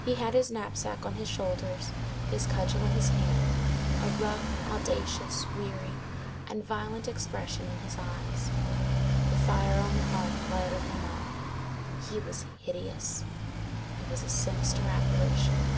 He had his knapsack on his shoulders, his cudgel in his hand, a rough, audacious, weary, and violent expression in his eyes. The fire on the hearth lighted him up. He was hideous. It was a sinister apparition.